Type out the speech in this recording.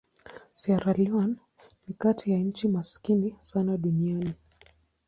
Sierra Leone ni kati ya nchi maskini sana duniani.